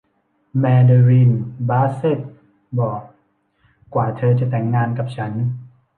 แมเดอรีน บาสเซทบอกกว่าเธอจะแต่งงานกับฉัน